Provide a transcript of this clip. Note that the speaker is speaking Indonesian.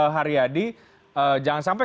hariadi jangan sampai